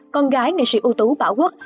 con gái nghệ sĩ ưu tú bảo quốc